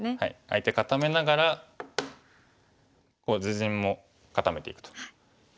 相手固めながら自陣も固めていくと。